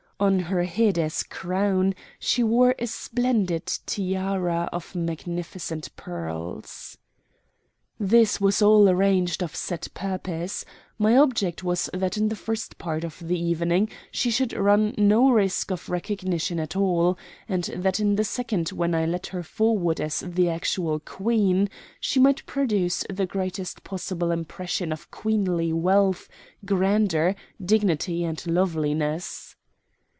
On her head as crown she wore a splendid tiara of magnificent pearls. This was all arranged of set purpose. My object was that in the first part of the evening she should run no risk of recognition at all; and that in the second when I led her forward as the actual Queen, she might produce the greatest possible impression of queenly wealth, grandeur, dignity, and loveliness.